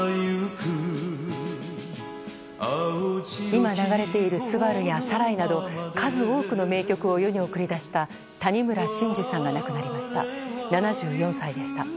今流れている「昴‐すばる‐」や「サライ」など数多くの名曲を世に送り出した谷村新司さんが亡くなりました７４歳でした。